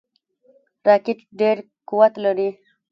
راکټ ډیر قوت لري